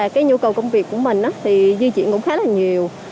cái nhu cầu công việc của mình thì di chuyển cũng khá là nhiều